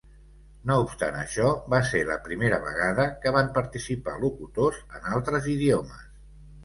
No obstant això, va ser la primera vegada que van participar locutors en altres idiomes.